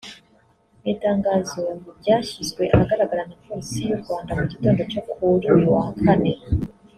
Mu itangazo ryashyizwe ahagagaragara na Polisi y’u Rwanda mu gitondo cyo kuri uyu wa Kane